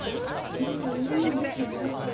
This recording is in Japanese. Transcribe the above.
ううんみてないけど。